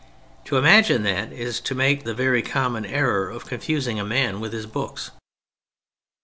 To imagine that is to make the very common error of confusing a man with his books.